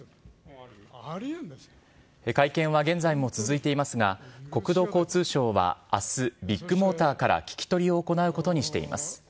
会見は現在も続いていますが、国土交通省はあす、ビッグモーターから聞き取りを行うことにしています。